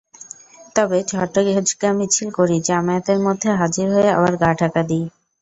তবে ঝটিকা মিছিল করি, জমায়েতের মধ্যে হাজির হয়ে আবার গা-ঢাকা দিই।